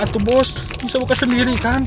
atuh bos bisa buka sendiri kan